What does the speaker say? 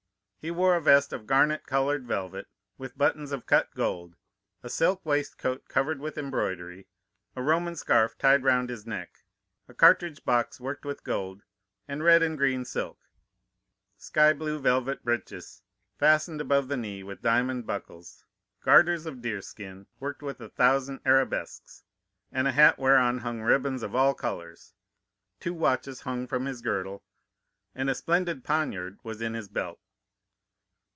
He wore a vest of garnet colored velvet, with buttons of cut gold; a silk waistcoat covered with embroidery; a Roman scarf tied round his neck; a cartridge box worked with gold, and red and green silk; sky blue velvet breeches, fastened above the knee with diamond buckles; garters of deerskin, worked with a thousand arabesques, and a hat whereon hung ribbons of all colors; two watches hung from his girdle, and a splendid poniard was in his belt.